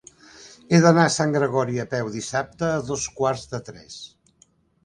He d'anar a Sant Gregori a peu dissabte a dos quarts de tres.